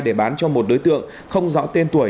để bán cho một đối tượng không rõ tên tuổi